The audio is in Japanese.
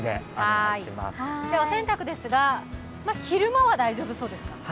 お洗濯ですが、昼間は大丈夫そうですか。